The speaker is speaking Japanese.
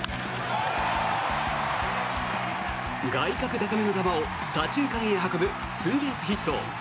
外角高めの球を左中間へ運ぶツーベースヒット。